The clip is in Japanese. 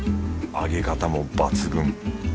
揚げ方も抜群。